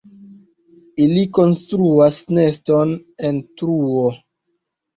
Ili konstruas neston en truo.